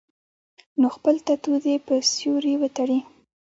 نو خپل ټټو دې پۀ سيوري وتړي -